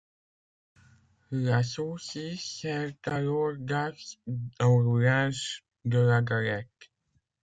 La saucisse sert alors d'axe au roulage de la galette.